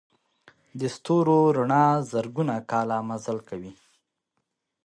د ستورو رڼا زرګونه کاله مزل کوي.